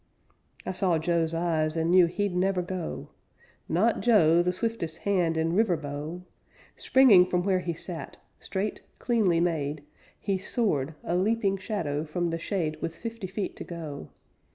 I saw Joe's eyes, and knew he'd never go. Not Joe, the swiftest hand in River Bow! Springing from where he sat, straight, cleanly made, He soared, a leaping shadow from the shade With fifty feet to go.